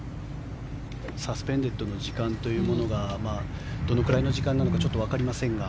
サスペンデッドの時間というものがどのくらいの時間なのかちょっとわかりませんが。